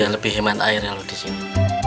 lebih hemat air kalau di sini